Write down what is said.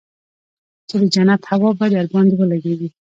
چې د جنت هوا به درباندې ولګېږي.